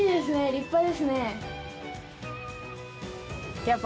立派ですね。